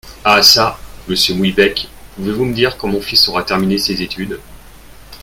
Ah çà ! monsieur Mouillebec, pouvez-vous me dire quand mon fils aura terminé ses études ?